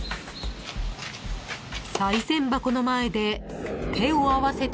［さい銭箱の前で手を合わせた］